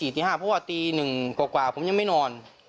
เพราะว่าตี๑กว่าผมยังไม่นอน